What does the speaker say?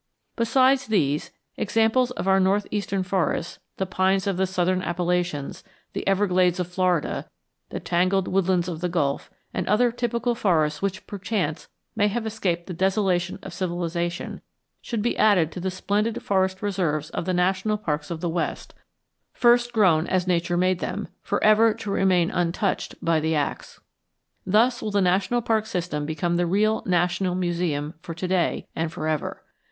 Besides these, examples of our northeastern forests, the pines of the southern Appalachians, the everglades of Florida, the tangled woodlands of the gulf, and other typical forests which perchance may have escaped the desolation of civilization, should be added to the splendid forest reserves of the national parks of the West, first grown as Nature made them, forever to remain untouched by the axe. Thus will the national parks system become the real national museum for to day and forever.